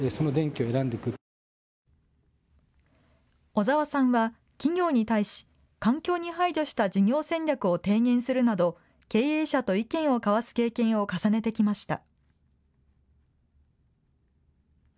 小澤さんは企業に対し環境に配慮した事業戦略を提言するなど経営者と意見を交わす経験を重ねてきました。